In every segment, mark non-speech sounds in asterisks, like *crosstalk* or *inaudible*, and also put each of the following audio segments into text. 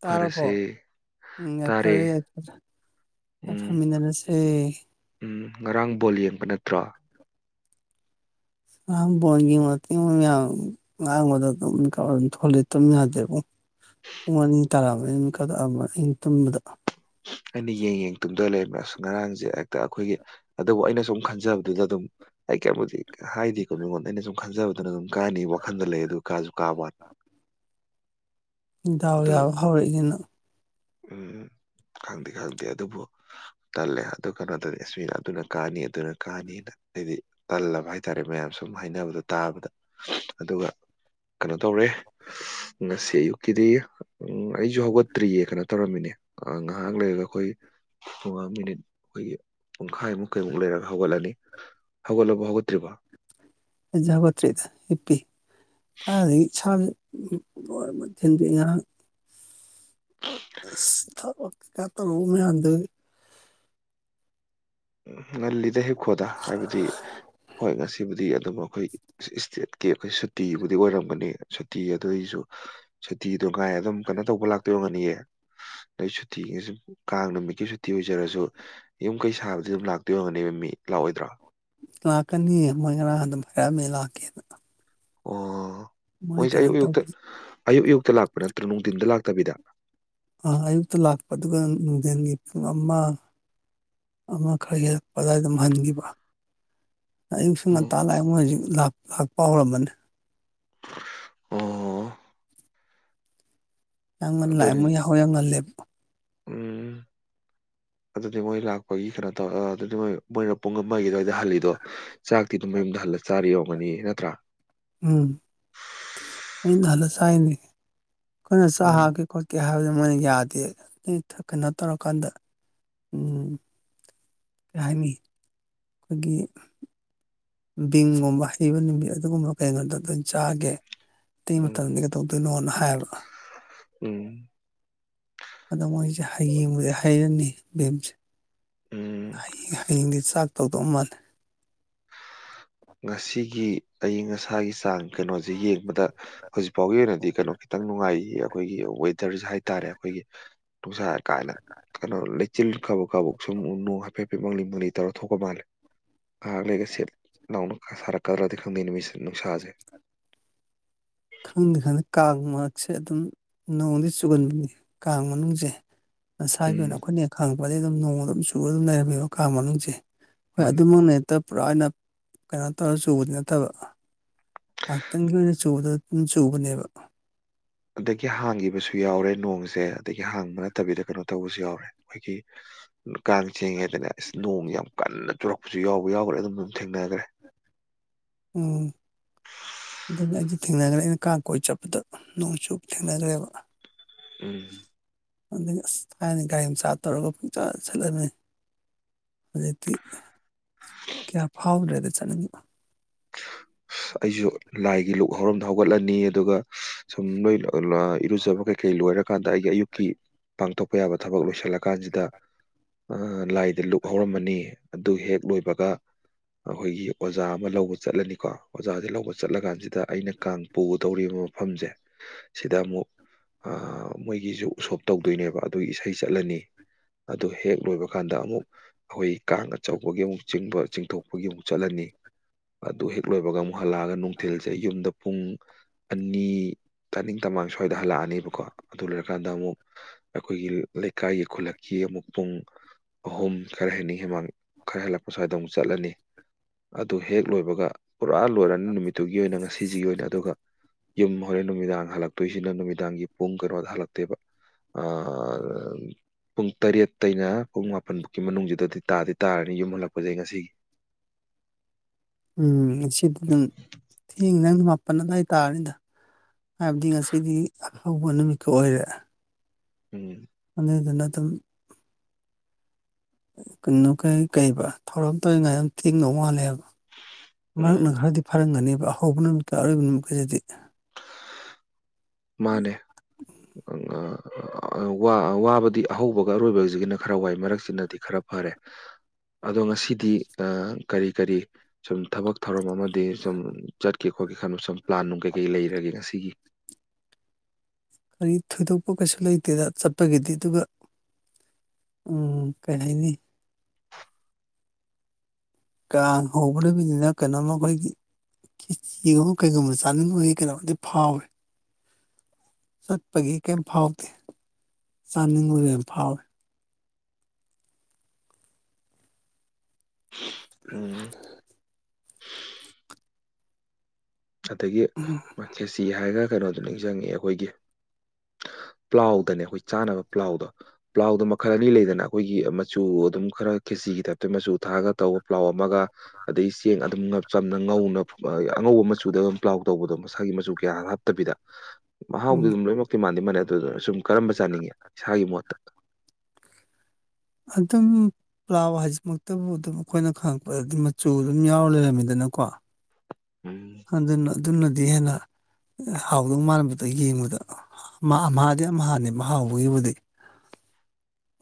ꯇꯥꯔꯕꯣ ꯎꯝ ꯇꯥꯔꯦ ꯌꯥꯏꯐꯔꯦ ꯌꯥꯏꯐꯔꯦ ꯎꯝ ꯌꯥꯏꯐꯃꯤꯟꯅꯔꯁꯦ ꯎꯝ ꯉꯔꯥꯡ ꯕꯣꯜ ꯌꯦꯡꯕ ꯅꯠꯇ꯭ꯔꯣ ꯉꯔꯥꯡ ꯕꯜꯣ ꯌꯦꯡꯕ ꯇꯦꯡꯕ ꯃꯌꯥꯝ ꯉꯥꯡꯕꯗ ꯑꯗꯨꯝ ꯃꯤꯀꯥꯞ ꯑꯗꯨꯝ ꯊꯣꯛꯂꯑꯦ ꯇꯨꯝ ꯌꯥꯗꯦꯕꯨꯡ ꯄꯨꯡ ꯑꯅꯤ ꯇꯥꯔꯃꯅꯤ ꯑꯩ ꯃꯤꯀꯠ ꯑꯃ ꯑꯩ ꯇꯨꯝꯕꯗ ꯑꯩꯟ ꯗꯤ ꯌꯦꯡ ꯌꯦꯡ ꯇꯨꯝꯗ ꯂꯩꯔꯝꯃꯦ ꯑꯁ ꯉꯔꯥꯡꯖꯦ ꯍꯦꯛꯇ ꯑꯈꯣꯏꯒꯤ ꯑꯗꯨꯕꯨ ꯑꯩꯅ ꯁꯨꯝ ꯈꯟꯖꯕꯗꯨꯗ ꯑꯗꯨꯝ ꯑꯩ ꯀꯩꯌꯝꯕꯨꯗꯤ ꯍꯥꯏꯗ‌ꯦꯀꯣ ꯃꯤꯉꯣꯟꯗ ꯑꯩꯅ ꯁꯨꯝ ꯈꯟꯖꯕꯗꯨꯅ ꯑꯗꯨꯝ ꯀꯥꯅꯤ ꯋꯥꯈꯟꯗ ꯂꯩ ꯑꯗꯨ ꯀꯥꯖꯨ ꯀꯥꯕꯋꯥꯟ ꯗꯥꯎ ꯑꯗꯨ ꯌꯥꯕ ꯍꯧꯔꯛꯏꯅꯦ ꯅꯪ ꯎꯝ ꯍꯨꯝ ꯈꯪꯗꯤ ꯈꯪꯗꯦ ꯑꯗꯨꯕꯨ ꯇꯜꯂꯦ ꯑꯗꯨ ꯀꯅꯣꯗꯗꯤ ꯑꯁ ꯃꯤꯅ ꯑꯗꯨꯅ ꯀꯥꯅꯤ ꯑꯗꯨꯅ ꯀꯥꯅꯤꯅ ꯍꯥꯏꯗꯤ ꯇꯜꯂꯕ ꯍꯥꯏꯇꯥꯔꯦ ꯃꯌꯥꯝ ꯁꯨꯝ ꯍꯥꯏꯅꯕꯗꯣ ꯇꯥꯕꯗ ꯑꯗꯨꯒ ꯀꯅꯣ ꯇꯧꯔꯦ ꯉꯁꯤ ꯑꯌꯨꯛꯀꯤꯗꯤ ꯎꯝ ꯑꯩꯖꯨ ꯍꯧꯒꯠꯇ꯭ꯔꯤꯌꯦ ꯀꯅꯣ ꯇꯧꯔꯝꯃꯤꯅꯦ ꯑꯥ ꯉꯍꯥꯛ ꯂꯩꯔꯒ ꯈꯣꯏ ꯄꯨꯉꯥꯡ ꯃꯤꯅꯤꯠ ꯑꯩꯈꯣꯏꯒꯤ ꯄꯨꯡꯈꯥꯏꯃꯨꯛ ꯀꯩꯃꯨꯛ ꯂꯩꯔꯒ ꯍꯧꯒꯠꯂꯅꯤ ꯍꯧꯒꯠꯂꯕ ꯍꯧꯒꯠꯇ꯭ꯔꯤꯕ ꯑꯩꯖꯨ ꯍꯧꯒꯠꯇ꯭ꯔꯤꯗ ꯍꯤꯞꯄꯤ ꯀꯥꯏꯗꯒꯤ ꯏꯁꯥꯖꯦ ꯎꯝ ꯂꯣꯏ ꯃꯛ ꯊꯤꯟꯗꯣꯑꯦ ꯉꯔꯥꯡ ꯀꯥ ꯀꯥ ꯇꯧꯕ ꯃꯌꯥꯝꯗꯨꯒꯤ ꯉꯜꯂꯤꯗ ꯍꯤꯞꯈꯣꯗ ꯍꯥꯏꯕꯗꯤ ꯍꯣꯏ ꯉꯁꯤꯕꯨꯗꯤ ꯑꯗꯨꯝ ꯑꯈꯣꯏ ꯏꯁꯇꯦꯠꯀꯤ ꯑꯈꯣꯏ ꯁꯨꯇꯤꯕꯨꯗꯤ ꯑꯣꯏꯔꯝꯒꯅꯤ ꯁꯨꯇꯤ ꯑꯗꯨꯏꯖꯨ ꯁꯨꯇꯤꯗꯣ ꯉꯥꯏ ꯑꯗꯨꯝ ꯀꯅꯣ ꯇꯧꯕ ꯂꯥꯛꯇꯣꯏ ꯑꯣꯏꯔꯝꯒꯅꯤꯌꯦ ꯅꯣꯏ ꯁꯨꯇꯤꯒ ꯖꯨꯝ ꯀꯥꯡ ꯅꯨꯃꯤꯠꯀꯤ ꯁꯨꯇꯤ ꯑꯣꯏꯖꯔꯖꯨ ꯌꯨꯝ ꯀꯩ ꯁꯥꯕ ꯗꯤ ꯗꯨꯝ ꯂꯥꯛꯇꯣꯏ ꯑꯣꯏꯔꯝꯒꯅꯦꯕ ꯃꯤ ꯂꯥꯛꯑꯣꯏꯗ꯭ꯔꯣ ꯂꯥꯛꯀꯅꯤ ꯃꯣꯏ ꯉꯔꯥꯡ ꯑꯗꯨꯝ ꯐꯔꯥꯑꯝꯃꯦ ꯂꯥꯛꯀꯦꯅ ꯑꯣ ꯃꯣꯏ ꯃꯣꯏꯖꯦ ꯀꯩꯅꯣ ꯑꯌꯨꯛ ꯇꯧ ꯑꯌꯨꯛꯇ ꯑꯌꯨꯛ ꯑꯌꯨꯛꯇ ꯂꯥꯛꯄ ꯅꯠꯇ꯭ꯔꯣ ꯅꯨꯡꯗꯤꯟꯗ ꯂꯥꯛꯇꯕꯤꯗ ꯑꯥ ꯑꯌꯨꯛꯇ ꯂꯥꯛꯄ ꯑꯗꯨꯒ ꯅꯨꯡꯗꯤꯟꯒꯤ ꯄꯨꯡ ꯑꯃꯥ ꯑꯃꯥ ꯈꯔ ꯍꯦꯜꯂꯛꯄ ꯑꯗꯥꯏ ꯗꯨꯝ ꯍꯟꯒꯤꯕ ꯑꯌꯨꯛꯁꯨ ꯉꯟꯇꯥ ꯂꯥꯛꯑꯦ ꯃꯣꯏ ꯍꯨꯖꯤꯛ ꯂꯥꯛ ꯂꯥꯛꯄ ꯍꯧꯔꯝꯃꯅꯤ ꯑꯣ ꯌꯥꯝ ꯉꯟ ꯂꯥꯛꯑꯦ ꯑꯗꯨꯅꯤ ꯃꯣꯏ ꯌꯥꯍꯧ ꯌꯥꯝ ꯉꯜꯂꯦꯕ ꯎꯝ ꯑꯗꯨꯗꯤ ꯃꯣꯏ ꯂꯥꯛꯄꯒꯤ ꯀ‌ꯦꯅꯣ ꯇꯧ ꯑꯥ ꯗꯨꯗꯤ ꯃꯣꯏ ꯃꯣꯏꯅ ꯄꯨꯡ ꯑꯃꯥꯒꯤ ꯑꯗꯥꯏꯗ ꯍꯜꯂꯤꯗꯣ ꯆꯥꯛꯇꯤ ꯗꯨꯝ ꯃꯌꯨꯝꯗ ꯍꯜꯂ ꯆꯥꯔꯤ ꯑꯣꯝꯒꯅꯤ ꯅꯠꯇ꯭ꯔꯥ ꯎꯝ ꯃꯌꯨꯝꯗ ꯍꯜꯂ ꯆꯥꯏꯅꯤ ꯈꯣꯏꯅ ꯆꯥꯛ ꯎꯝ ꯍꯥꯞꯀꯦ ꯈꯣꯠꯀꯦ ꯍꯥꯏꯕꯗ ꯃꯣꯏꯅ ꯌꯥꯗꯦ ꯑꯦꯗ ꯊꯛ ꯀꯅꯣ ꯇꯧꯔꯀꯥꯟꯗ ꯎꯝ ꯀꯩ ꯍꯥꯏꯅꯤ ꯈꯣꯏꯒꯤ ꯕꯤꯡꯒꯨꯝꯕ ꯍꯩꯕ ꯅꯨꯃꯤꯠ ꯑꯗꯨꯒꯨꯝꯕ ꯀꯩꯩꯅꯣꯗ ꯗꯣꯏꯟ ꯆꯥꯒꯦ ꯇꯩ ꯎꯝ ꯃꯇꯝꯗꯤ ꯀꯗꯧ ꯗꯣꯏꯅꯣꯅ ꯍꯥꯏꯕ ꯎꯝ ꯑꯗꯣ ꯃꯣꯏꯖꯦ ꯍꯌꯦꯡꯕꯨꯗꯤ ꯍꯩꯔꯅꯤ ꯚꯤꯝꯁꯦ ꯎꯝ ꯍꯌꯦ ꯍꯌꯦꯡꯗꯤ ꯆꯥꯛ ꯇꯧꯗꯧ ꯃꯥꯜꯂꯦ ꯉꯁꯤꯒꯤ ꯑꯏꯤꯡ ꯑꯁꯥꯒꯤ ꯆꯥꯡ ꯀꯩꯅꯣꯖꯦ ꯌꯦꯡꯕꯗ ꯍꯧꯖꯤꯛ ꯐꯥꯎꯕꯒꯤ ꯑꯣꯏꯅꯗꯤ ꯀꯩꯅꯣ ꯈꯤꯇꯪ ꯅꯨꯡꯉꯥꯏꯔꯤꯌꯦ ꯈꯣꯏꯒꯤ ꯋꯦꯗꯔꯖꯦ ꯍꯥꯏꯇꯔꯦ ꯈꯣꯏꯒꯤ ꯅꯨꯡꯁꯥ ꯀꯥꯅ ꯀꯩꯅꯣ ꯂꯩꯆꯤꯜ ꯀꯕꯛ ꯀꯕꯛ ꯁꯨꯝ ꯅꯣꯡ ꯍꯥꯏꯐꯦꯠꯐꯦꯠ ꯃꯪꯂꯤ ꯃꯪꯂꯤ ꯇꯧꯔ ꯊꯣꯛꯄ ꯃꯥꯜꯂꯦ ꯉꯥꯍꯛ ꯂꯩꯒ ꯁꯦꯠ ꯂꯥꯎꯅ ꯁꯥꯔꯛꯀꯗ꯭ꯔꯥꯗꯤ ꯈꯪꯗꯦ ꯅꯨꯃꯤꯠꯁꯤ ꯅꯨꯡꯁꯥꯖꯦ ꯈꯪꯗꯦ ꯈꯪꯗꯦ ꯀꯥꯡ ꯃꯔꯛꯁꯦ ꯑꯗꯨꯝ ꯅꯣꯡꯗꯤ ꯆꯨꯒꯟꯕꯅꯤ ꯀꯥꯡ ꯃꯅꯨꯡꯖꯦ ꯉꯁꯥꯒꯤ ꯎꯝ ꯑꯣꯏꯅ ꯑꯈꯣꯏꯅ ꯍꯦꯛ ꯈꯪꯉꯛꯄꯗꯩ ꯗꯨꯝ ꯅꯣꯡ ꯑꯗꯨꯝ ꯆꯨꯔ ꯑꯗꯨꯝ ꯂꯩꯔꯝꯃꯦꯕ ꯀꯥꯡ ꯃꯅꯨꯡꯖꯦ ꯍꯣꯏ ꯃꯥꯅꯦ ꯑꯗꯨꯃꯛꯅꯦ ꯇ ꯄꯨꯔꯥ ꯑꯣꯏꯅ ꯀꯩꯅꯣ ꯇꯧꯔ ꯆꯨꯕꯗꯤ ꯅꯠꯇꯕ ꯉꯥꯛꯇꯪꯒꯤ ꯑꯣꯏꯅ ꯆꯨꯕꯗꯣ ꯗꯨꯝ ꯆꯨꯕꯅꯦꯕ ꯑꯗꯒꯤ ꯍꯥꯡꯒꯤꯕꯖꯨ ꯌꯥꯎꯔꯦ ꯅꯣꯡꯖꯦ ꯑꯗꯒꯤ ꯍꯥꯡꯕ ꯅꯠꯇꯕꯤꯗ ꯀꯩꯅꯣ ꯇꯧꯕꯖꯨ ꯌꯥꯎꯔꯦ ꯃꯣꯏꯒꯤ ꯀꯥꯡ ꯆꯤꯡꯉꯤꯉꯩꯗꯅꯦ ꯑꯁ ꯅꯣꯡ ꯌꯥꯝ ꯀꯟꯅ ꯆꯨꯔꯛꯄꯖꯨ ꯌꯥꯎꯕ ꯌꯥꯎꯒ꯭ꯔꯦ ꯑꯗꯨꯝ ꯊꯦꯡꯅꯒ꯭ꯔꯦ ꯎꯝ ꯑꯗꯨꯅꯦ ꯑꯩꯖꯨ ꯊꯦꯡꯅꯒ꯭ꯔꯦ ꯑꯩꯅ ꯀꯥꯡ ꯀꯣꯏ ꯆꯠꯄꯗ ꯅꯣꯡ ꯆꯨꯕ ꯊꯦꯡꯅꯒ꯭ꯔꯦꯕ ꯎꯝ ꯑꯗꯒꯤ ꯑꯁ ꯊꯥꯏꯅ ꯒꯥꯔꯤ ꯃꯆꯥ ꯇꯧꯔꯒ ꯄꯨꯡꯆꯥ ꯆꯠꯂꯝꯃꯦ ꯍꯧꯖꯤꯛꯇꯤ ꯀꯌꯥ ꯐꯥꯎꯗ꯭ꯔꯦꯗ ꯆꯠꯅꯤꯡꯕ ꯑꯩꯖꯨ ꯂꯥꯏꯒꯤ ꯂꯨꯛ ꯍꯧꯔꯝꯗ ꯍꯧꯒꯠꯂꯅꯤ ꯑꯗꯨꯒ ꯁꯨꯝ ꯅꯣꯏ *unintelligible* ꯂ ꯏꯔꯨꯖꯕ ꯀꯩ ꯀꯩ ꯂꯣꯏꯔꯀꯥꯟꯗ ꯑꯩꯒꯤ ꯑꯌꯨꯛꯀꯤ ꯄꯥꯡꯊꯣꯛꯄ ꯌꯥꯕ ꯊꯕꯛ ꯂꯣꯏꯁꯤꯜꯂꯛ ꯀꯥꯟꯖꯤꯗ ꯑꯥ ꯂꯥꯏꯗ ꯂꯨꯛ ꯍꯧꯔꯝꯃꯅꯤ ꯑꯗꯨ ꯍꯦꯛ ꯂꯣꯏꯕꯒ ꯑꯈꯣꯏꯒꯤ ꯑꯣꯖꯥ ꯑꯃ ꯂꯧꯕ ꯆꯠꯂꯅꯤꯀꯣ ꯑꯣꯖꯥꯖꯦ ꯂꯧꯕ ꯆꯠꯂ ꯀꯥꯟꯖꯤꯗ ꯑꯩꯅ ꯀꯥꯡ ꯄꯨꯒꯗꯧꯔꯤꯕ ꯃꯐꯝꯖꯦ ꯁꯤꯗ ꯑꯃꯨꯛ ꯑꯥ ꯃꯣꯏꯒꯤꯖꯨ ꯎꯁꯣꯞ ꯇꯧꯗꯣꯏꯅꯦꯕ ꯑꯗꯨꯒꯤ ꯏꯁꯩ ꯆꯠꯂꯅꯤ ꯑꯗꯨ ꯍꯦꯛ ꯂꯣꯏꯕ ꯀꯥꯟꯗ ꯑꯃꯨꯛ ꯑꯈꯣꯏ ꯀꯥꯡ ꯑꯆꯧꯕꯒꯤ ꯑꯃꯨꯛ ꯆꯤꯡꯕ ꯆꯤꯡꯊꯣꯛꯄꯒꯤ ꯑꯃꯨꯛ ꯆꯠꯂꯅꯤ ꯑꯗꯨ ꯍꯦꯛ ꯂꯣꯏꯕ ꯑꯃꯨꯛ ꯍꯜꯂꯛꯑꯒ ꯅꯨꯡꯊꯤꯜꯖꯦ ꯑꯩ ꯌꯨꯝꯗ ꯄꯨꯡ ꯑꯅꯤ ꯇꯅꯤꯡ ꯇꯃꯥꯡ ꯁ꯭ꯋꯥꯏꯗ ꯍꯜꯂꯛꯑꯅꯤꯕꯀꯣ ꯑꯗꯨ ꯂꯣꯏꯔꯀꯥꯟꯗ ꯑꯃꯨꯛ ꯑꯈꯣꯏꯒꯤ ꯂꯩꯀꯥꯏꯒꯤ ꯈꯨꯜꯂꯛꯀꯤ ꯑꯃꯨꯛ ꯄꯨꯡ ꯑꯍꯨꯝ ꯈꯔ ꯍꯦꯅꯤꯡ ꯍꯦꯃꯥꯡ ꯈꯔ ꯍꯦꯜꯂꯛꯄ ꯁ꯭ꯋꯥꯏꯗ ꯑꯃꯨꯛ ꯆꯠꯂꯅꯤ ꯑꯗꯨ ꯍꯦꯛ ꯂꯣꯏꯕꯒ ꯄꯨꯔꯥ ꯂꯣꯏꯔꯅꯤ ꯅꯨꯃꯤꯠꯇꯨꯒꯤ ꯑꯣꯏꯅ ꯉꯁꯤꯖꯤꯒꯤ ꯑꯣꯏꯅ ꯑꯗꯨꯒ ꯌꯨꯝ ꯍꯣꯔꯦꯟ ꯅꯨꯃꯤꯗꯥꯡ ꯍꯜꯂꯛꯇꯣꯏꯖꯤꯅ ꯅꯨꯃꯤꯗꯥꯡꯒꯤ ꯄꯨꯡ ꯀꯅꯣꯗ ꯍꯜꯂꯛꯇꯣꯏꯕ *unintelligible* ꯄꯨꯡ ꯇꯔꯦꯠꯇꯩꯅ ꯄꯨꯡ ꯃꯥꯄꯟꯐꯥꯎꯒꯤ ꯃꯅꯨꯡꯖꯤꯗꯗꯤ ꯇꯥꯗꯤ ꯇꯥꯔꯅꯤ ꯌꯨꯝ ꯍꯜꯂꯛꯄꯖꯦ ꯑꯩ ꯉꯁꯤꯒꯤ ꯎꯝ ꯉꯁꯤꯗꯤ ꯑꯗꯨꯝ ꯊꯦꯡꯉꯅꯤ ꯅꯪ ꯃꯥꯄꯟ ꯑꯗꯏ ꯇꯥꯔꯅꯤꯗ ꯍꯥꯏꯕꯗꯤ ꯉꯁꯤꯗꯤ ꯑꯍꯧꯕ ꯅꯨꯃꯤꯠꯀ ꯑꯣꯏꯔꯦ ꯎꯝ ꯑꯗꯨꯗꯨꯅ ꯑꯗꯨꯝ ꯀꯩꯅꯣ ꯀꯩ ꯀꯩꯕ ꯊꯧꯔꯝ ꯇꯧꯔꯤꯉꯩꯗ ꯑꯗꯨꯝ ꯊꯦꯡꯗꯧ ꯃꯥꯜꯂꯦꯕ ꯎꯝ ꯃꯔꯛꯅ ꯈꯔꯗꯤ ꯐꯥꯔꯝꯒꯅꯦꯕ ꯍꯧꯕ ꯅꯨꯃꯤꯠꯇꯀ ꯑꯔꯣꯏꯕ ꯅꯨꯃꯤꯠꯀꯖꯤꯗꯤ ꯃꯥꯅꯦ ꯋꯥ ꯋꯥꯕꯗꯤ ꯑꯍꯧꯕꯒ ꯑꯔꯣꯏꯕꯖꯤꯒꯅ ꯈꯔ ꯋꯥꯏ ꯃꯔꯛꯁꯤꯅꯗꯤ ꯈꯔ ꯐꯔꯦ ꯑꯗꯣ ꯉꯁꯤꯗꯤ ꯑꯥ ꯀꯔꯤ ꯀꯔꯤ ꯁꯨꯝ ꯊꯕꯛ ꯊꯧꯔꯝ ꯑꯃ ꯗꯤ ꯁꯨꯝ ꯆꯠꯀꯦ ꯈꯣꯠꯀꯦ ꯈꯟꯕ ꯁꯨꯝ ꯄ꯭ꯂꯥꯟ ꯅꯨꯡ ꯀꯩ ꯀꯩ ꯂꯩꯔꯒꯦ ꯉꯁꯤꯒꯤ ꯀꯔꯤ ꯊꯣꯏꯗꯣꯛꯄ ꯀꯩꯁꯨ ꯂꯩꯇꯦꯗ ꯆꯠꯄꯒꯤꯗꯤ ꯑꯗꯨꯒ ꯎꯝ ꯀꯩꯍꯥꯏꯅꯤ ꯀꯥꯡ ꯍꯧꯕ ꯅꯨꯃꯤꯠꯅꯤꯅ ꯀꯩꯅꯣꯝꯃ ꯈꯣꯏꯒꯤ ꯈꯦꯆꯤꯒꯨꯝꯕ ꯀꯩꯒꯨꯝꯕ ꯆꯥꯅꯤꯡꯕꯒꯤ ꯀꯩꯅꯣꯝꯗꯤ ꯐꯥꯎꯋꯦ ꯆꯠꯄꯒꯤ ꯀꯦꯝ ꯐꯥꯎꯗꯦ ꯆꯥꯅꯤꯡꯕꯒꯤ ꯑꯣꯏꯅ ꯐꯥꯎꯋꯦ ꯎꯝ ꯑꯗꯒꯤ ꯎꯝ ꯃꯥ ꯈꯦꯁꯤ ꯍꯥꯏꯔꯒ ꯀꯩꯅꯣꯗꯣ ꯅꯤꯡꯖꯪꯉꯦ ꯑꯩꯈꯣꯏꯒꯤ ꯄ꯭ꯂꯥꯎꯗꯅꯦ ꯑꯩꯈꯣꯏ ꯆꯥꯅꯕ ꯄ꯭ꯂꯥꯎꯗꯣ ꯄ꯭ꯂꯥꯎꯗꯣ ꯃꯈꯜ ꯑꯅꯤ ꯂꯩꯗꯅ ꯑꯩꯈꯣꯏꯒꯤ ꯃꯆꯨ ꯑꯗꯨꯝ ꯈꯔ ꯈꯦꯖꯤꯒꯤ ꯇꯥꯏꯞꯇ ꯃꯆꯨ ꯊꯥꯛꯑꯒ ꯇꯧꯕ ꯄ꯭ꯂꯥꯎ ꯑꯃꯒ ꯑꯗꯩ ꯆꯦꯡ ꯑꯗꯨꯝ ꯉ ꯆꯝꯅ ꯉꯧꯅ ꯐ ꯑꯉꯧꯕ ꯃꯆꯨꯗ ꯄ꯭ꯂꯥꯎ ꯇꯧꯕꯗꯣ ꯃꯁꯥꯒꯤ ꯃꯆꯨ ꯀꯌꯥ ꯍꯥꯞꯇꯕꯤꯗ ꯃꯍꯥꯎꯗꯤ ꯎꯝ ꯑꯗꯨꯝ ꯂꯣꯏꯃꯛ ꯇꯤ ꯃꯥꯟꯗꯤ ꯃꯥꯟꯅꯩ ꯑꯗꯨꯗꯨꯅ ꯁꯨꯝ ꯀꯔꯝꯕ ꯆꯥꯅꯤꯡꯉꯦ ꯏꯁꯥꯒꯤ ꯃꯣꯠꯇ ꯑꯗꯨꯝ ꯄ꯭ꯂꯥꯎ ꯍꯥꯏꯁꯤꯃꯛꯇꯕꯨ ꯑꯗꯨꯝ ꯑꯩꯈꯣꯏꯅ ꯈꯪꯉꯛꯄꯗꯗꯤ ꯃꯆꯨ ꯑꯗꯨꯝ ꯌꯥꯎꯔ ꯂꯩꯔꯝꯃꯤꯗꯅꯀꯣ ꯎꯝ ꯑꯗꯨꯅ ꯑꯗꯨꯅꯗꯤ ꯍꯦꯟꯅ ꯍꯥꯎꯗꯧ ꯃꯥꯟꯕꯗꯣ ꯌꯦꯡꯕꯗ ꯑꯝꯍꯥ ꯑꯝꯍꯥꯗꯤ ꯑꯝꯍꯥꯅꯦ ꯃꯍ ꯍꯥꯎꯕꯒꯤꯕꯨꯗꯤ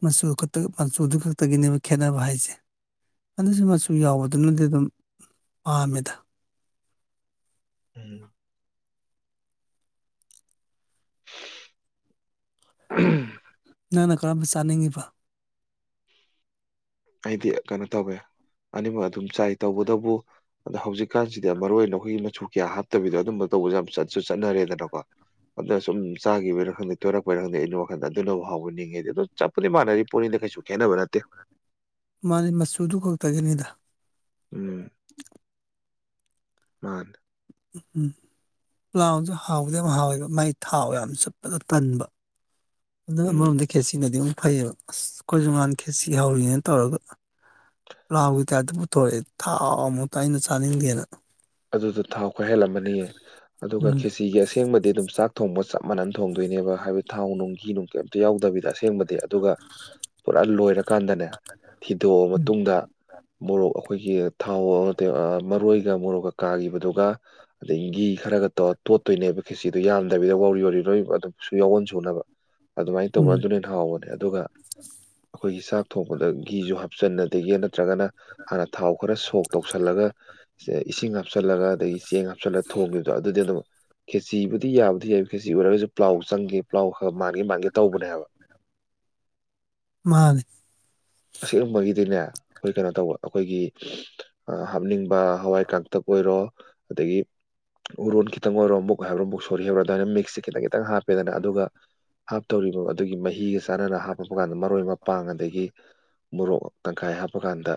ꯃꯆꯨ ꯈꯛꯇ ꯃꯆꯨꯗꯨ ꯈꯛꯇꯒꯤꯅꯦꯕ ꯈꯦꯠꯅꯕ ꯍꯥꯏꯁꯦ ꯑꯗꯨꯁꯨ ꯃꯆꯨ ꯌꯥꯎꯕꯗꯨꯅꯗꯤ ꯑꯗꯨꯝ ꯄꯥꯝꯃꯦꯗ ꯎꯝ *unintelligible* ꯅꯪꯅ ꯀꯔꯝꯕ ꯆꯥꯅꯤꯡꯉꯤꯕ ꯑꯩꯗꯤ ꯀꯩꯅꯣ ꯇꯧꯋꯦ ꯑꯅꯤꯃꯛ ꯑꯗꯨꯝ ꯆꯥꯏ ꯇꯧꯕꯇꯕꯨ ꯑꯗꯣ ꯍꯧꯖꯤꯛ ꯀꯥꯟꯁꯤꯗꯤ ꯃꯔꯨ ꯑꯣꯏꯅ ꯑꯩꯈꯣꯏꯒꯤ ꯃꯆꯨ ꯀꯌꯥ ꯍꯥꯞꯇꯕꯤꯗꯣ ꯑꯗꯨꯝꯕ ꯇꯧꯕꯁꯦ ꯌꯥꯝ ꯆꯠꯁꯨ ꯆꯠꯅꯔꯦꯗꯅꯀꯣ ꯑꯗꯨꯅ ꯁꯨꯝ ꯆꯥꯒꯤꯕꯩꯔꯥ ꯈꯪꯗꯦ ꯇꯣꯏꯔꯛꯄꯩꯔ ꯈꯪꯗꯦ ꯑꯩꯗꯤ ꯋꯥꯈꯟꯗ ꯑꯗꯨꯅꯕꯨ ꯍꯥꯎꯕꯣꯏ ꯅꯤꯡꯉꯦꯗꯤ ꯑꯗꯨ ꯆꯞꯄꯨꯗꯤ ꯃꯥꯟꯅꯔꯤ ꯄꯣꯠꯅꯤꯗ ꯀꯩꯁꯨ ꯈꯦꯠꯅꯕ ꯅꯠꯇꯦ ꯃꯥꯅꯤ ꯃꯆꯨꯗꯨ ꯈꯛꯇꯒꯤꯅꯤꯗ ꯎꯝ ꯃꯥꯥꯟꯅꯦ ꯎꯝ ꯄ꯭ꯂꯥꯎꯁꯨ ꯍꯥꯎꯗꯤ ꯌꯥꯝ ꯍꯥꯎꯋꯦꯗꯨ ꯃꯥꯏ ꯊꯥꯎ ꯌꯥꯝ ꯆꯨꯞꯄꯗꯨ ꯇꯟꯕ ꯑꯗꯨ ꯎꯝ ꯑꯃꯔꯣꯝꯗ ꯈꯦꯖꯤꯅꯗꯤ ꯑꯃꯨꯛ ꯐꯩꯌꯦꯕ ꯑꯁ ꯑꯩꯈꯣꯏꯁꯨ ꯉꯥꯟ ꯈꯦꯖꯤ ꯍꯧꯔꯤꯅꯦ ꯇꯧꯔꯒ ꯄꯂꯥ꯭ꯎꯒꯤ ꯇꯥꯏꯞꯇ ꯄꯨꯊꯣꯔꯛꯑꯦ ꯊꯥꯎ ꯃꯨꯛꯇ ꯑꯩꯅ ꯆꯥꯅꯤꯡꯗꯦꯅ ꯑꯗꯨꯗꯣ ꯊꯥꯎ ꯈꯔ ꯍꯦꯜꯂꯝꯃꯅꯤꯌꯦ ꯑꯗꯨꯒ ꯎꯝ ꯈꯦꯆꯤꯒꯤ ꯑꯁꯦꯡꯕꯗꯤ ꯑꯗꯨꯝ ꯆꯥꯛ ꯊꯣꯡꯕ ꯆꯞ ꯃꯥꯟꯅꯅ ꯊꯣꯡꯗꯣꯏꯅꯦꯕ ꯍꯥꯏꯕꯗꯤ ꯊꯥꯎ ꯅꯨꯡ ꯒꯤꯅꯨꯡ ꯀꯦꯝꯇ ꯌꯥꯎꯗꯕꯤꯗ ꯑꯁꯦꯡꯕꯗ ꯗꯤ ꯑꯗꯨꯒ ꯄꯨꯔꯥ ꯂꯣꯏꯔꯀꯥꯟꯗꯅꯦ ꯊꯤꯗꯣꯛꯑ ꯎꯝ ꯃꯇꯨꯡꯗ ꯃꯣꯔꯣꯛ ꯑꯃꯨꯛ ꯑꯩꯈꯣꯏꯒꯤ ꯊꯥꯎ ꯑ ꯀꯩ ꯑ ꯃꯔꯣꯏꯒ ꯃꯣꯔꯣꯛꯒ ꯀꯥꯈꯤꯕꯗꯨꯒ ꯑꯗꯒꯤ ꯘꯤ ꯈꯔꯒ ꯇꯧꯔ ꯇꯣꯠꯇꯣꯏꯅꯦꯕ ꯈꯦꯆꯤꯗꯨ ꯌꯥꯝꯗꯕꯅꯤꯅ ꯌꯥꯎꯔꯤ ꯌꯥꯎꯔꯤ ꯂꯣꯏ ꯑꯗꯨꯝ ꯁꯨ ꯌꯥꯎꯑꯣꯟ ꯁꯨꯅꯕ ꯑꯗꯨꯃꯥꯏꯅ ꯇꯧꯕ ꯎꯝ ꯑꯗꯨꯅꯤ ꯍꯥꯎꯕꯅꯦ ꯑꯗꯨꯒ ꯑꯈꯣꯏꯒꯤ ꯆꯥꯛ ꯊꯣꯡꯕꯗ ꯘꯤꯁꯨ ꯍꯥꯞꯆꯟ ꯑꯗꯒꯤ ꯍꯦꯟꯅ ꯇ꯭ꯔꯒꯅ ꯍꯥꯟꯅ ꯊꯥꯎ ꯈꯔ ꯁꯣꯛ ꯇꯧꯁꯜꯂꯒ ꯏꯁꯤꯡ ꯗꯒ ꯑꯗꯒꯤ ꯆꯦꯡ ꯍꯥꯞꯆꯜꯂ ꯊꯣꯡꯈꯤꯕꯗꯣ ꯑꯗꯨꯗꯤ ꯑꯗꯨꯝ ꯈꯦꯆꯤꯕꯨꯗꯤ ꯌꯥꯕꯗꯤ ꯌꯥꯏꯕ ꯈꯦꯆꯤ ꯑꯣꯏꯔꯒꯁꯨ ꯄ꯭ꯂꯥꯎ ꯆꯪꯒꯦ ꯄ꯭ꯂꯥꯎ ꯈ ꯃꯥꯟꯒꯦ ꯃꯥꯟꯒꯦ ꯇꯧꯕꯅꯦ ꯍꯥꯏꯕ ꯃꯥꯅꯦ ꯑꯁꯦꯡꯕꯒꯤꯗꯤꯅꯦ ꯑꯩꯈꯣꯏ ꯀꯩꯅꯣ ꯇꯧꯕ ꯑꯩꯈꯣꯏꯒꯤ ꯑ ꯍꯥꯞꯅꯤꯡꯕ ꯍꯋꯥꯏ ꯀꯥꯡꯇꯛ ꯑꯣꯏꯔꯣ ꯑꯗꯒꯤ ꯎꯔꯣꯟ ꯈꯤꯇꯪ ꯑꯣꯏꯔꯣ ꯃꯨꯛ ꯍꯥꯏꯕ꯭ꯔ ꯃꯨꯁꯣꯔꯤ ꯍꯥꯏꯕ꯭ꯔ ꯑꯗꯨꯃꯥꯏꯅ ꯃꯤꯛꯁꯦ ꯈꯤꯇꯪ ꯈꯤꯇꯪ ꯍꯥꯞꯄꯦꯗꯅ ꯑꯗꯨꯒ ꯍꯥꯞꯇꯧꯔꯤꯕ ꯑꯗꯨꯒꯤ ꯃꯍꯤꯒ ꯆꯥꯟꯅꯅ ꯍꯥꯞꯄꯛꯄ ꯀꯥꯟꯗ ꯃꯔꯣꯏ ꯃꯄꯥꯡ ꯑꯗꯒꯤ ꯃꯣꯔꯣꯛ ꯇꯪꯈꯥꯏ ꯍꯥꯞꯄ ꯀꯥꯟꯗ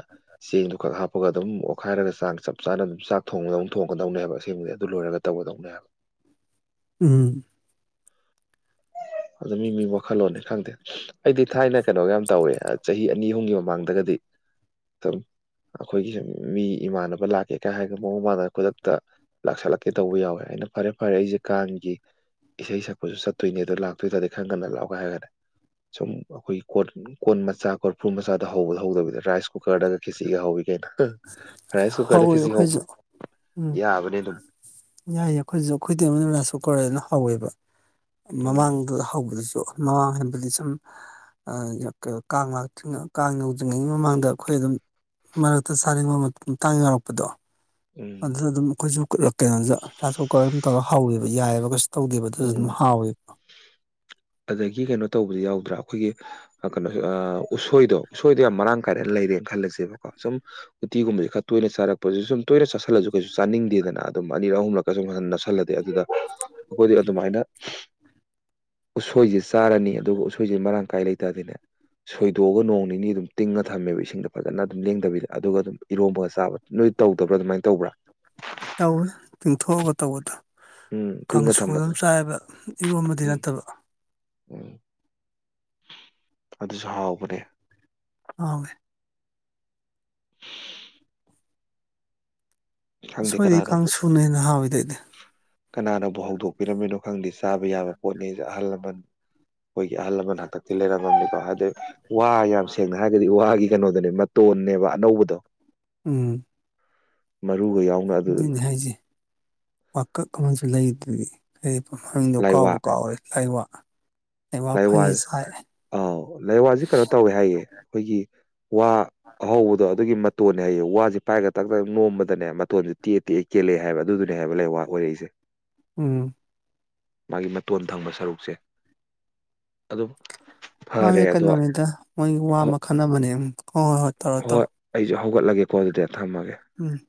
ꯆꯦꯡꯗꯨ ꯈꯛ ꯍꯥꯞꯄꯒ ꯑꯗꯨꯝ ꯑꯣꯈꯥꯏꯔꯒ ꯆꯥꯡ ꯆꯞ ꯆꯥꯅ ꯑꯗꯨꯝ ꯆꯥꯛ ꯊꯣꯡꯕꯗꯧ ꯊꯣꯡꯒꯗꯧꯅꯦ ꯍꯥꯏꯕ ꯑꯁꯦꯡꯕꯩ ꯑꯗꯨ ꯂꯣꯏꯔꯒ ꯇꯧꯒꯗꯧꯅꯦ ꯍꯥꯏꯕ ꯎꯝ ꯑꯗꯣ ꯃꯤ ꯃꯤ ꯋꯥꯈꯜ ꯂꯣꯟꯅꯤ ꯈꯪꯗꯦ ꯑꯩꯗꯤ ꯊꯥꯏꯅ ꯀꯩꯅꯣꯒ ꯌꯥꯝ ꯇꯧꯋꯦ ꯑꯩ ꯆꯍꯤ ꯑꯅꯤ ꯍꯨꯝꯒꯤ ꯃꯃꯥꯡꯗꯒꯗꯤ ꯑꯈꯣꯏꯒꯤ ꯍ‌ꯦꯛ ꯃꯤ ꯏꯃꯥꯟꯅꯕ ꯂꯥꯛꯀꯦ ꯀꯥ ꯍꯥꯏꯔꯒ ꯃꯋ‌ꯣꯡ ꯃꯥꯟꯗꯅ ꯈꯨꯗꯛꯇ ꯂꯥꯛꯁꯜꯂꯛꯀꯦ ꯇꯧꯕ ꯌꯥꯎꯋꯦ ꯑꯩꯅ ꯐꯔꯦ ꯐꯔꯦ ꯑꯩꯁꯦ ꯀꯥꯡꯒꯤ ꯏꯁꯩ ꯁꯛꯄꯁꯨ ꯆꯠ ꯇꯨꯢꯅꯦ ꯑꯗꯣ ꯂꯥꯛꯇꯣꯏ ꯇꯥꯔꯗꯤ ꯈꯔ ꯉꯟꯅ ꯂꯥꯛꯑꯣꯒ ꯍꯥꯏꯔꯒꯅꯦ ꯁꯨꯝ ꯑꯈꯣꯏꯒꯤ ꯀꯣꯟ ꯀꯣꯟ ꯃꯆꯥ ꯀꯣꯔꯐꯨ ꯃꯆꯥꯗ ꯍꯧꯕꯗ‌ꯣ ꯍꯧꯗꯕꯤꯗ ꯔꯥꯏꯁ ꯀꯨꯀꯔꯗꯒ ꯈ‌ꯦꯆꯤꯒ ꯍꯧꯋꯤ ꯀꯩꯅꯣ ꯔꯥꯏꯁ ꯀꯨꯀꯔꯗ ꯍꯧꯋꯦ ꯈꯦꯆꯤ ꯍꯧꯕ ꯑꯩꯈꯣꯏꯁꯨ ꯎꯝ ꯌꯥꯕꯅꯤ ꯗꯨꯝ ꯌꯥꯏꯌꯦ ꯈꯣꯏꯁꯨ ꯈ‌ꯣꯏꯗꯤ *unintelligible* ꯔꯥꯁꯀꯨꯀꯔꯗ ꯍꯧꯋꯦꯕ ꯎꯝ ꯃꯃꯥꯡꯗ ꯍꯧꯕꯗꯁꯨ ꯃꯃꯥꯡ ꯍꯥꯏꯕꯗꯤ ꯁꯨꯝ ꯑ ꯀꯥꯡ ꯂꯛꯇ꯭ꯔꯤꯉ ꯀꯥꯡ ꯌꯧꯗ꯭ꯔꯤꯉꯩ ꯃꯃꯥꯡꯗ ꯈꯣꯏ ꯑꯗꯨꯝ ꯃꯔꯛꯇ ꯆꯥꯅꯤꯡꯕ ꯃꯇꯥꯡ ꯌꯥꯎꯔꯛꯄꯗꯣ ꯎꯝ ꯑꯗꯨꯅ ꯑꯗꯨꯝ ꯈꯣꯏꯁꯨ ꯀ ꯑ ꯀꯩꯅ‌ꯣꯗ ꯔꯥꯏꯁ ꯀꯨꯀꯔ ꯗꯨꯝ ꯇꯧꯔ ꯍꯧꯋꯦꯕ ꯌꯥꯏꯑꯕ ꯇꯧꯗꯦꯕ ꯑꯗꯨꯁꯨ ꯑꯗꯨꯝ ꯎꯝ ꯍꯥꯎꯋꯦꯕ ꯑꯗꯒꯤ ꯀꯩꯅꯣ ꯇꯧꯕꯗꯤ ꯌꯥꯎꯗ꯭ꯔꯥ ꯈꯣꯏꯒꯤ ꯀꯩꯅꯣ ꯑ ꯎꯁꯣꯏꯗꯣ ꯁꯣꯏꯗ‌ꯣ ꯌꯥꯝ ꯃꯔꯥꯡ ꯀꯥꯏꯅ ꯂꯩꯔꯦꯅ ꯈꯜꯂꯁꯦꯕꯀꯣ ꯁꯨꯝ ꯎꯇꯤꯒꯨꯝꯕꯁꯦ ꯈꯔꯇꯣꯏꯅ ꯆꯥꯔꯛꯄꯁꯤꯁꯨ ꯁꯨꯝ ꯇꯣꯏꯅ ꯆꯥꯁꯤꯜꯂꯁꯨ ꯀꯩꯁꯨ ꯆꯥꯅꯤꯡꯗꯦꯗꯅ ꯑꯗꯨꯝ ꯑꯅꯤꯔꯛ ꯑꯍꯨꯝꯂꯛ *unintelligible* ꯑꯗꯨꯗ ꯑꯈꯣꯏꯗꯤ ꯑꯗꯨꯃꯥꯏꯅ ꯎꯁꯣꯏꯖ‌ꯦ ꯆꯥꯔꯅꯤ ꯑꯗꯨꯒ ꯎꯁꯣꯏꯖ‌ꯦ ꯃꯔꯥꯡ ꯀꯥꯏꯅ ꯂꯩꯇꯗꯤꯅꯦ ꯁꯣꯏꯗꯣꯛꯑꯒ ꯅꯣꯡ ꯅꯤꯅꯤ ꯑꯗꯨꯝ ꯇꯤꯡꯉ ꯊꯝꯃꯦꯕ ꯏꯁꯤꯡꯗ ꯐꯖꯅ ꯑꯗꯨꯝ ꯂꯦꯡꯗꯕꯤꯗ ꯑꯗꯨꯒ ꯑꯗꯨꯝ ꯏꯔꯣꯝꯕꯒ ꯆꯥꯕ ꯅꯣꯏ ꯇꯧꯗꯕ꯭ꯔꯥ ꯑꯗꯨꯃꯥꯏꯅ ꯇꯧꯕ꯭ꯔꯥ ꯇꯧꯋꯤ ꯇꯤꯡꯊꯣꯛꯑꯒ ꯇꯧꯕꯗꯣ ꯎꯝ ꯇꯤꯡꯉ ꯀꯥꯡꯁ‌ꯣꯏ ꯑꯝ ꯊꯝꯕꯗꯣ ꯆꯥꯏꯕ ꯏꯔꯣꯝꯕꯗꯤ ꯎꯝ ꯅꯠꯇꯕ *unintelligible* ꯑꯗꯨꯁꯨ ꯍꯥꯎꯕꯅꯦ ꯍꯥꯎꯋꯦ ꯈꯪꯗꯦ ꯎꯁꯣꯏꯗꯤ ꯀꯅꯥꯅꯕꯨ ꯀꯪꯁꯨꯅ ꯍꯦꯟꯅ ꯍꯥꯎꯋꯤꯗ ꯑꯩꯗꯤ ꯀꯅꯥꯅꯕꯨ ꯍꯧꯗꯣꯛꯄꯤꯔꯝꯃꯤꯅꯣ ꯈꯪꯗꯦ ꯆꯥꯕ ꯌꯥꯕ ꯄꯣꯠꯅꯦꯖꯦ ꯑꯍꯥꯜ ꯂꯃꯥꯟ ꯈꯣꯏꯒꯤ ꯑꯍꯥꯜ ꯂꯃꯟ ꯍꯥꯛꯇꯛ ꯁꯤ ꯂꯩꯔꯝꯃꯕꯅꯤꯀꯣ ꯍꯥꯏꯗꯤ ꯋꯥ ꯌꯥꯝ ꯁꯦꯡꯅ ꯍꯥꯏꯔꯒꯗꯤ ꯋꯥꯒꯤ ꯀꯩꯅꯣꯗꯨꯅꯦꯕ ꯃꯇꯣꯟꯅꯦꯕ ꯑꯅꯧꯕꯗꯣ ꯎꯝ ꯃꯔꯨꯒ ꯌꯥꯎ ꯗꯨꯅꯤ ꯍꯥꯏꯖꯦ ꯋꯥꯀꯥꯛ ꯑꯃꯁꯨ ꯂꯩꯗꯨꯗꯤ ꯀꯩꯕ ꯃꯃꯤꯡꯗꯣ ꯀꯥꯎꯕꯨ ꯂꯥꯏꯋꯥ ꯀꯥꯎꯔꯦ ꯂꯥꯏꯋꯥ ꯂꯥꯏꯋꯥ ꯂꯩꯋꯥ ꯐꯪꯉꯤ ꯆꯥꯏ ꯑꯥꯎ ꯂꯩꯋꯥꯖꯤ ꯀꯩꯅꯣ ꯇꯧꯋꯦ ꯍꯥꯏꯌꯦ ꯈꯣꯏꯒꯤ ꯋꯥ ꯑꯍꯧꯕꯗꯣ ꯑꯗꯨꯒꯤ ꯃꯇꯣꯟꯅꯦ ꯍꯥꯏꯌꯦ ꯋꯥꯁꯦ ꯄꯥꯏꯔꯒ ꯇꯥꯛ ꯇꯥꯛ ꯅꯣꯝꯕꯗꯅꯦ ꯃꯇꯣꯟꯁꯦ ꯇꯦꯛꯑ ꯇꯦꯛꯑ ꯀꯦꯜꯂꯛꯑꯦ ꯍꯥꯏꯕ ꯑꯗꯨꯗꯨ ꯍꯥꯏꯕ ꯂꯩꯋꯥꯥ ꯑꯣꯏꯔꯛꯏꯁꯦ ꯎꯝ ꯃꯥꯒꯤ ꯃꯇꯣꯟ ꯊꯪꯕ ꯁꯔꯨꯛꯁꯦ ꯑꯗꯨꯝ ꯃꯥꯖꯦ ꯐꯔꯦ ꯑꯗꯣ ꯀꯩꯅꯣꯅꯤꯗ ꯃꯣꯏꯒꯤ ꯋꯥ ꯃꯈꯟ ꯑꯃꯅꯦ ꯑꯝ ꯍꯣꯏ ꯍꯣꯏ ꯇꯧꯔꯣ ꯍꯣꯏ ꯇꯧꯔꯣ ꯑꯩꯖꯨ ꯍꯧꯒꯠꯂꯒꯦꯀꯣ ꯑꯗꯨꯗꯤ ꯊꯝꯃꯒꯦ ꯎꯝ